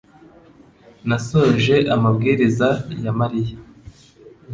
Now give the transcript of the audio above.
Nasohoje amabwiriza ya mariya